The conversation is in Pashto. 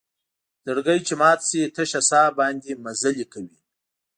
زړګۍ چې مات شي تشه سا باندې مزلې کوي